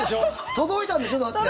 届いたんでしょ、だって。